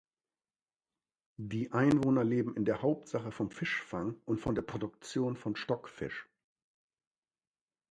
Die Einwohner leben in der Hauptsache vom Fischfang und von der Produktion von Stockfisch.